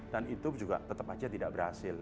dan itu juga tetap saja tidak berhasil